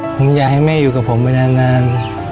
ผมอยากให้แม่อยู่กับผมไปนาน